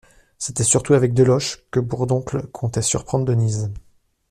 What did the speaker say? C'était surtout avec Deloche que Bourdoncle comptait surprendre Denise.